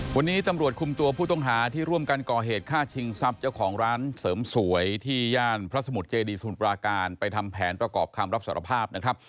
วันนี้ตำรวจคุมตัวผู้ต้องหาที่ร่วมกันก่อเหตุฆ่าชิงทรัพย์เจ้าของร้านเสริมสวยที่ย่านพระสมุทรเจดีสมุทรปราการไปทำแผนประกอบคำรับสารภาพนะครับ